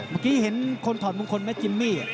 เมื่อกี้เห็นคนถอดมงคลไหมจิมมี่